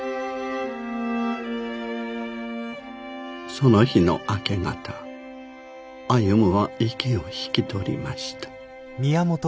その日の明け方歩は息を引き取りました。